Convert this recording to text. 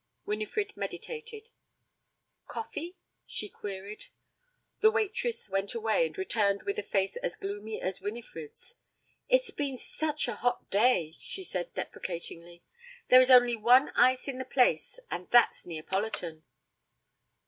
Winifred meditated. 'Coffee?' she queried. The waitress went away and returned with a face as gloomy as Winifred's. 'It's been such a hot day,' she said deprecatingly. 'There is only one ice in the place and that's Neapolitan.'